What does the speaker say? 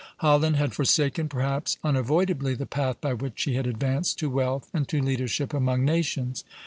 Holland had forsaken, perhaps unavoidably, the path by which she had advanced to wealth and to leadership among nations.